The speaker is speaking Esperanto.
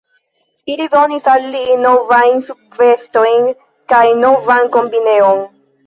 Ili donis al li novajn subvestojn kaj novan kombineon.